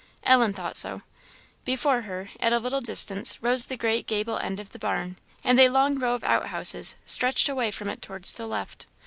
Ellen thought so. Before her, at a little distance, rose the great gable end of the barn, and a long row of outhouses stretched away from it towards the left.